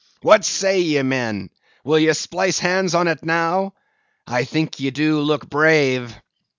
What say ye, men, will ye splice hands on it, now? I think ye do look brave."